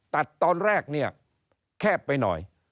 ตอนแรกเนี่ยแคบไปหน่อย